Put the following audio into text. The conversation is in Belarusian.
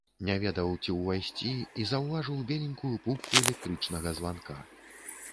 Не ведаў, ці ўвайсці, і заўважыў беленькую пупку электрычнага званка.